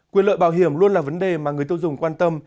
quyền lợi bảo hiểm luôn là vấn đề mà người tiêu dùng quan tâm